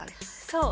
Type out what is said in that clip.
そう。